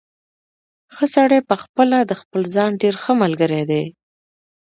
ښه سړی پخپله د خپل ځان ډېر ښه ملګری دی.